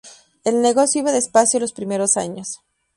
El negocio iba despacio los primeros años.